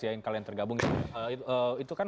yang kalian tergabung itu kan